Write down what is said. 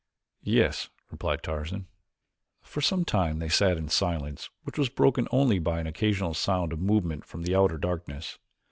"Yes," replied Tarzan. For some time they sat in silence which was broken only by an occasional sound of movement from the outer darkness.